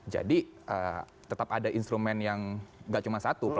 jadi tetap ada instrumen yang nggak cuma satu